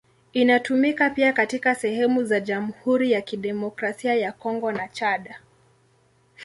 Inatumika pia katika sehemu za Jamhuri ya Kidemokrasia ya Kongo na Chad.